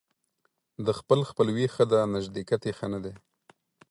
د خپل خپلوي ښه ده ، نژدېکت يې ښه نه دى.